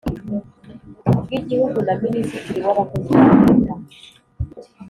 bw Igihugu na Minisitiri w Abakozi ba Leta